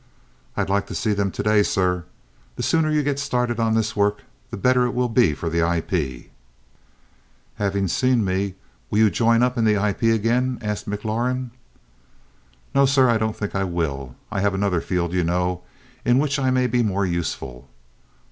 "I'd like to see them today, sir. The sooner you get started on this work, the better it will be for the IP." "Having seen me, will you join up in the IP again?" asked McLaurin. "No, sir, I don't think I will. I have another field you know, in which I may be more useful.